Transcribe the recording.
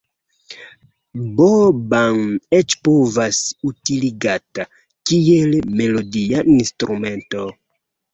Boo-bam eĉ povas utiligata kiel melodia instrumento.